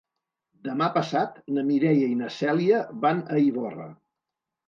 Demà passat na Mireia i na Cèlia van a Ivorra.